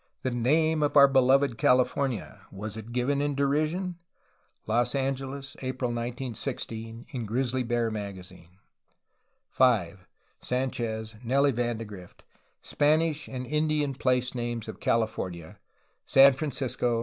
The name of our beloved Cali fornia: was it given in derision? (Los Angeles. Apr., 1916), in Grizzly bear magazine, v. XVIII, no. 6, 8. 5. Sanchez, Nellie van de Grift. Spanish and Indian place names of California (San Francisco.